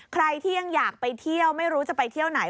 ใครที่ยังอยากไปเที่ยวไม่รู้จะไปเที่ยวไหน